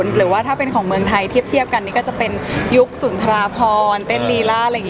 หรือว่าถ้าเป็นของเมืองไทยเทียบกันนี่ก็จะเป็นยุคสุนทราพรเต้นลีล่าอะไรอย่างนี้